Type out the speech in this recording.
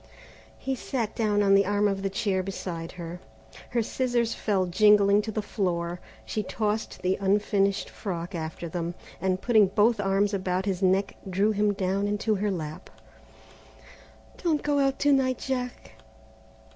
He sat down on the arm of the chair beside her. Her scissors fell jingling to the floor; she tossed the unfinished frock after them, and putting both arms about his neck drew him down into her lap. "Don't go out to night, Jack."